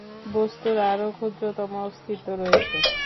বস্তুর আরও ক্ষুদ্রতম অস্তিত্ব রয়েছে।